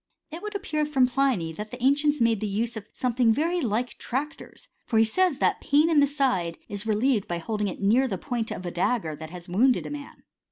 It would appear from Pliny, that the ancients made use of something very like tractors ; for he says that pain in the side is relieved by holding near it the point oi a dagger that has wounded a man.